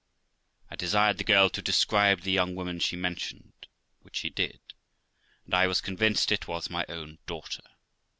I desired the girl to describe the young woman she mentioned, which she did, and I was convinced it was my own daughter.